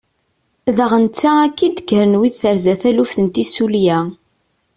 Daɣ netta akka i d-kkren wid terza taluft n tissulya.